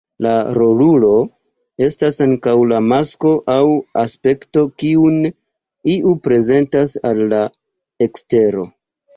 La rolulo estas ankaŭ la masko aŭ aspekto kiun iu prezentas al la ekstero.